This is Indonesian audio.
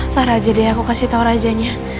sah aja deh aku kasih tau rajanya